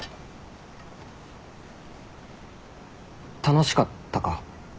楽しかったか？